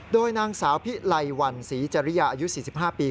โดยนางสาวพิไลวันศรีจริยาอายุ๔๕ปี